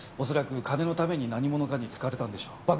恐らく金のために何者かに使われたのでしょう。